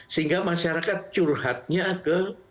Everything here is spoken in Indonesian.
sehingga masyarakat curhatnya ke